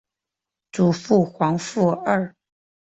祖父黄福二。